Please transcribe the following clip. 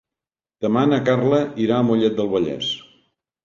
Demà na Carla irà a Mollet del Vallès.